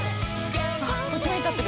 あっときめいちゃってる！